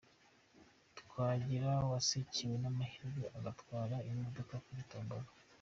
Twagira wasekewe n'amahirwe agatwara imodoka kuri Tombola.